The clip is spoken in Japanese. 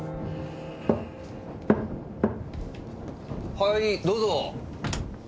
はいどうぞ！